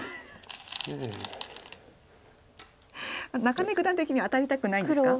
中根九段的には当たりたくないんですか？